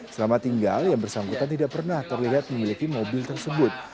selama tinggal yang bersangkutan tidak pernah terlihat memiliki mobil tersebut